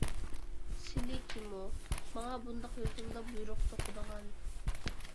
سىلى كىمۇ، ماڭا بۇنداق يوسۇندا بۇيرۇق سوقىدىغان؟